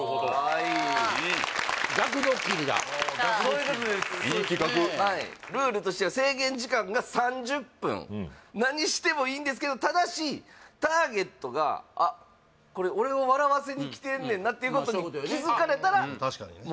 はいいい企画ルールとしては制限時間が３０分何してもいいんですけどただしターゲットがあっこれ俺を笑わせにきてるねんなっていうことにまあそういうことよね